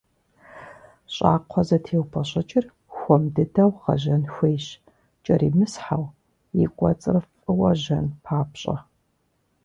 Щӏакхъуэзэтеупӏэщӏыкӏыр хуэм дыдэу гъэжьэн хуейщ, кӏэримысхьэу и кӏуэцӏыр фӏыуэ жьэн папщӏэ.